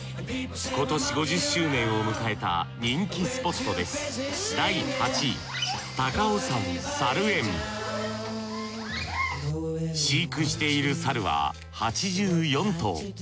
今年５０周年を迎えた人気スポットです飼育している猿は８４頭。